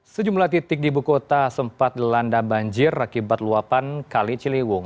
sejumlah titik di ibu kota sempat dilanda banjir akibat luapan kali ciliwung